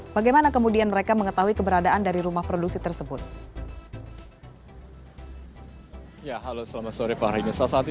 bagaimana kemudian mereka mengetahui keberadaan dari rumah produksi tersebut